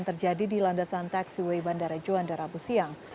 terjadi di landasan taxiway bandara juanda rabu siang